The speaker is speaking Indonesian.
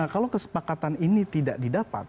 kalau kesepakatan ini tidak didapat